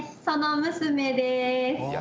その娘です。